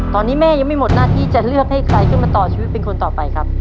ตอนนี้แม่ยังไม่หมดหน้าที่จะเลือกให้ใครขึ้นมาต่อชีวิตเป็นคนต่อไปครับ